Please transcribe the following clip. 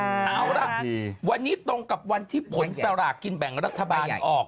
เอาล่ะวันนี้ตรงกับวันที่ผลสลากกินแบ่งรัฐบาลออก